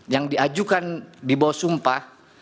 yang diajukan di bawah sumpah